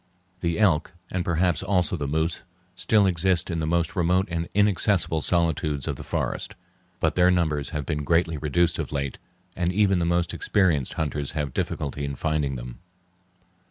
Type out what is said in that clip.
The elk and perhaps also the moose still exist in the most remote and inaccessible solitudes of the forest, but their numbers have been greatly reduced of late, and even the most experienced hunters have difficulty in finding them.